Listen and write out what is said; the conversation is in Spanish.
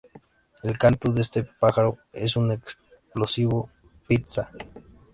El canto de este pájaro es un explosivo "pít-sa".